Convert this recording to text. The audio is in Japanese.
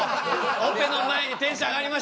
オペの前にテンション上がりましたんで。